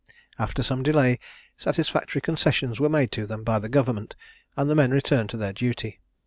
After some delay, satisfactory concessions were made to them by the government, and the men returned to their duty.